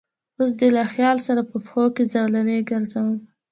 اوس دې له خیال سره په پښو کې زولنې ګرځوم